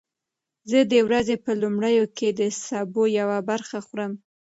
زه د ورځې په لومړیو کې د سبو یوه برخه خورم.